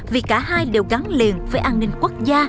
vì cả hai đều gắn liền với an ninh quốc gia